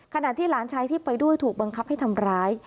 ขณะที่หลานชายที่ไปด้วยถูกบังคับให้ทำร้าย